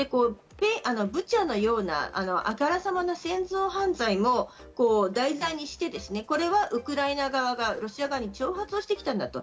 ブチャのような、あからさまな戦争犯罪も題材にして、これはウクライナ側がロシア側に挑発してきたんだと。